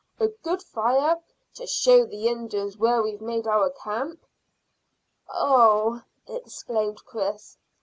"A good fire, to show the Indians where we've made our camp?" "Oh!" exclaimed Chris.